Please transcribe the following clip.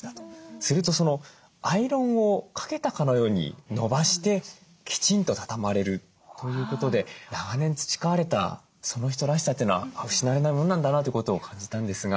するとアイロンをかけたかのように伸ばしてきちんと畳まれるということで長年培われたその人らしさというのは失われないものなんだなということを感じたんですが。